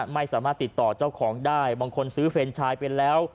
ไม่สามารถติดต่อเจ้าของได้บางคนซื้อเฟรนชายไปแล้ว